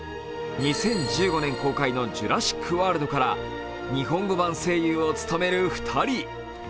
２０１５年公開の「ジュラシック・ワールド」から日本語版声優を務める２人。